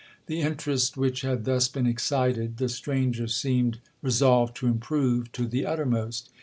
The interest which had thus been excited, the stranger seemed resolved to improve to the uttermost.